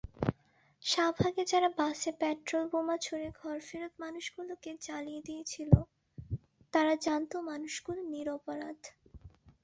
শাহবাগে যারা বাসে পেট্রলবোমা ছুড়ে ঘরফেরত মানুষগুলোকে জ্বালিয়ে দিয়েছিল, তারা জানত মানুষগুলো নিরপরাধ।